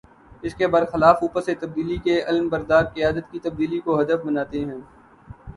اس کے بر خلاف اوپر سے تبدیلی کے علم بردار قیادت کی تبدیلی کو ہدف بناتے ہیں۔